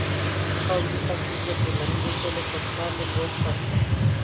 قومي تبعیض د ټولنیزې سولې پر وړاندې لوی خنډ دی.